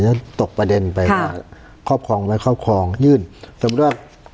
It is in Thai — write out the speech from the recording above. แล้วตกประเด็นไปว่าครอบครองไว้ครอบครองยื่นสมมุติว่า